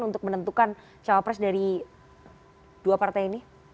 untuk menentukan cawapres dari dua partai ini